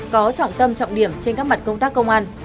có trọng tâm trọng điểm trên các mặt công tác công an